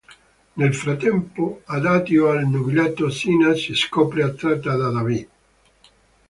Nel frattempo, all'addio al nubilato, Sina si scopre attratta da David.